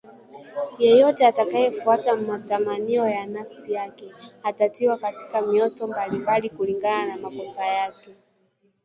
Yeyote atakayefuata matamanio ya nafsi yake, atatiwa katika mioto mbalimbali kulingana na makosa yake